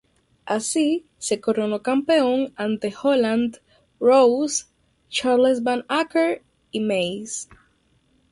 Así, se coronó campeón ante Holland, Rose, Charles Van Acker y Mays.